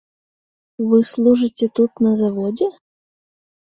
Вы служыце тут на заводзе?